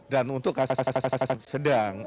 dan untuk kasus sedang